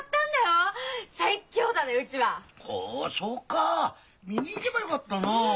ほうそうかぁ見に行けばよかったなあ。